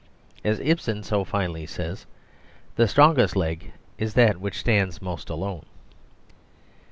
As Ibsen so finely says, the strongest leg is that which stands most alone.